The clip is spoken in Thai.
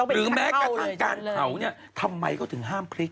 หรือแม้กระทั่งการเผาเนี่ยทำไมเขาถึงห้ามพลิก